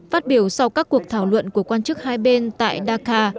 phát biểu sau các cuộc thảo luận của quan chức hai bên tại dakar